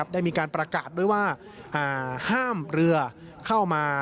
ได้มีการประกาศด้วยว่าห้ามเรือเข้ามา